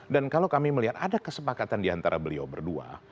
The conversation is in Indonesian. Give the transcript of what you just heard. dan kalau kami melihat ada kesepakatan di antara beliau berdua